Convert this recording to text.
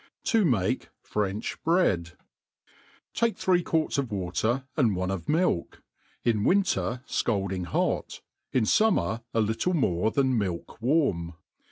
> To make French Bread. TAKE three quarts of water^ and one of milk ; in winter fcalding hot, in fummer a little more than milk warm.